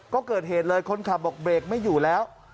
ก็เกิดเหตุเลยคนขับบอกเบรกไม่อยู่แล้ว